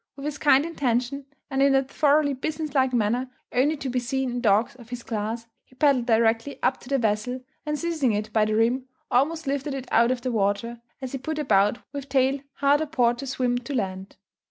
With this kind intention, and in that thoroughly business like manner only to be seen in dogs of his class, he paddled directly up to the vessel, and seizing it by the rim almost lifted it out of the water, as he put about with tail hard a port to swim to land.